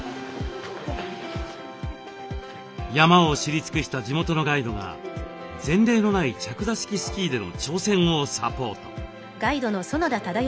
山を知り尽くした地元のガイドが前例のない着座式スキーでの挑戦をサポート。